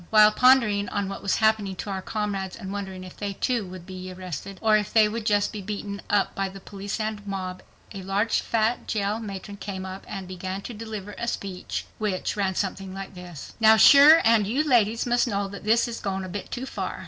While pondering on what was happening to our comrades and wondering if they, too, would be arrested, or if they would just be beaten up by the police and mob, a large, fat jail matron came up and began to deliver a speech, which, ran something like this: "Now, shure and you ladies must know that this is goin' a bit too far.